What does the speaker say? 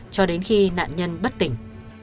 cho đến khi nạn nhân bất tỉnh